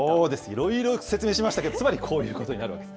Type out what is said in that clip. いろいろ説明しましたけど、つまりこういうことになるわけです。